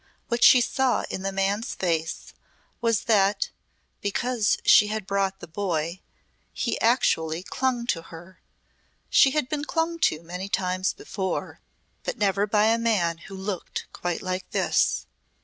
What she saw in the man's face was that, because she had brought the boy, he actually clung to her. She had been clung to many times before, but never by a man who looked quite like this.